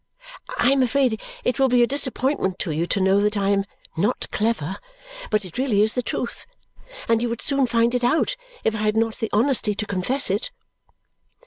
I am afraid it will be a disappointment to you to know that I am not clever, but it really is the truth, and you would soon find it out if I had not the honesty to confess it."